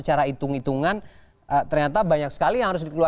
kita break dulu